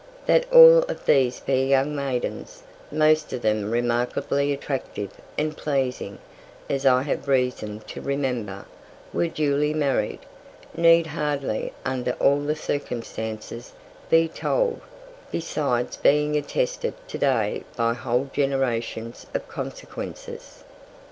That all of these fair young maidens, most of them remarkably attractive and pleasing, as I have reason to remember, were duly married, need hardly, under all the circumstances, be told, besides being attested to day by whole generations of consequences.